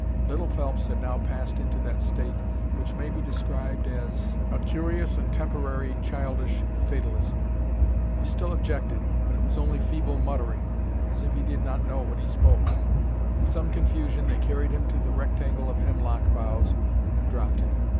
Little Phelps had now passed into that state which may be described as a curious and temporary childish fatalism. He still objected, but it was only feeble muttering, as if he did not know what he spoke. In some confusion they carried him to the rectangle of hemlock boughs and dropped him.